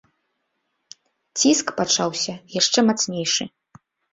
Ціск пачаўся яшчэ мацнейшы.